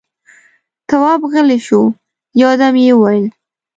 تواب غلی شو، يودم يې وويل: